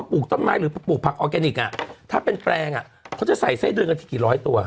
ปลูกต้นไม้หรือปลูกผักออร์แกนิคถ้าเป็นแปลงอ่ะเขาจะใส่ไส้เดือนกันที่กี่ร้อยตัว